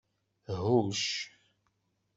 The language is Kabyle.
Hucc.